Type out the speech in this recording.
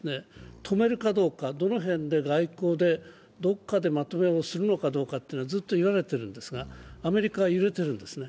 止めるかどうか、どの辺で外交でどこかでまとめをするかどうかはずっと言われてるんですが、アメリカは揺れてるんですね。